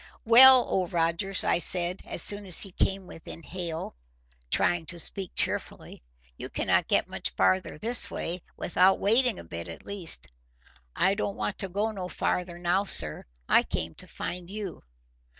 "Well, Old Rogers," I said, as soon as he came within hail, trying to speak cheerfully, "you cannot get much farther this way—without wading a bit, at least." "I don't want to go no farther now, sir. I came to find you."